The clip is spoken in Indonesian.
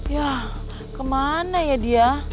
yah kemana ya dia